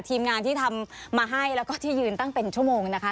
ทีมงานที่ทำมาให้แล้วก็ที่ยืนตั้งเป็นชั่วโมงนะคะ